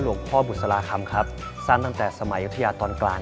พ่อบุษราคำครับสร้างตั้งแต่สมัยยุธยาตอนกลาง